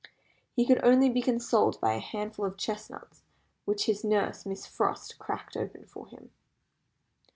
He could only be consoled by a handful of chestnuts, which his nurse, Miss Frost, cracked open for him.